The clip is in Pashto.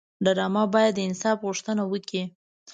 ډرامه باید د انصاف غوښتنه وکړي